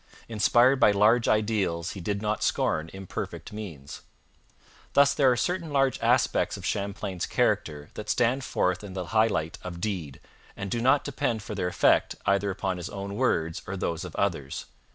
Inspired by large ideals, he did not scorn imperfect means. Thus there are certain large aspects of Champlain's character that stand forth in the high light of deed, and do not depend for their effect either upon his own words or those of others.